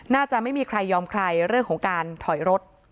น่าจะไม่มีใครยอมใครเรื่องของการถอยรถ